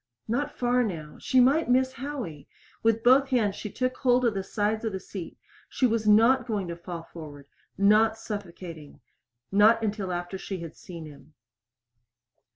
Not far now. She might miss Howie! With both hands she took hold of the sides of the seat. She was not going to fall forward! Not suffocating. Not until after she had seen him.